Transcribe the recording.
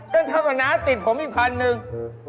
ก็ทำกับน้าติดผมอีกพันหนึ่ง